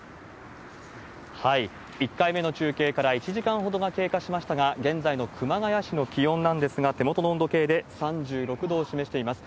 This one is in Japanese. １回目の中継から１時間ほど経過しましたが、現在の熊谷市の気温なんですが、手元の温度計で３６度を示しています。